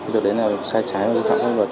giờ đấy nào sai trái bây giờ nó nhận thức hợp